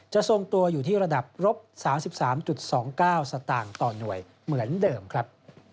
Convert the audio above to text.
ทรงตัวอยู่ที่ระดับรบ๓๓๒๙สตางค์ต่อหน่วยเหมือนเดิมครับ